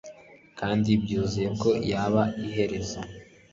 Kandi byuzuye ko iyi yaba iherezo